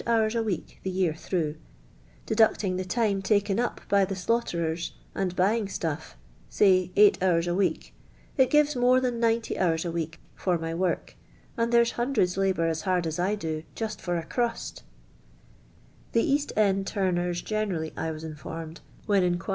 hours a Week tlie year through ; drdiictinu llhi tjmc taken up by the s]aunhterer>i, and bu\ injf stulf — «iy ci^dit hours a week — it i;i\e» more tiiau l»'.) hiuirs a week for my work, and there's hundreds labour as hard as 1 d.>, jusi for a c;u.Mt." The Ka.Ht cnd turners j^enerally, I was informed, when inqnirin?